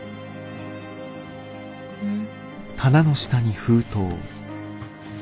うん？